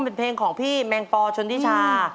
เป็นเพลงของพี่แมงปอชนทิชา